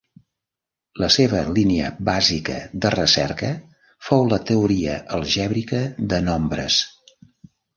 La seva línia bàsica de recerca fou la Teoria algèbrica de nombres.